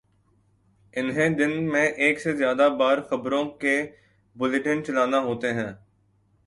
انہیں دن میں ایک سے زیادہ بار خبروں کے بلیٹن چلانا ہوتے ہیں۔